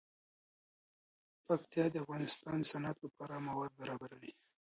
پکتیا د افغانستان د صنعت لپاره مواد برابروي.